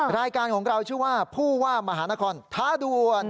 รายการของเราชื่อว่าผู้ว่ามหานครท้าด่วน